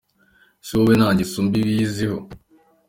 Ese wowe nta ngeso mbi wiyiziho?.